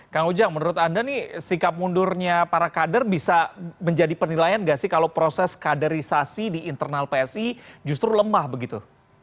kang ujang menurut anda nih sikap mundurnya para kader bisa menjadi penilaian nggak sih kalau proses kaderisasi di internal psi justru lemah begitu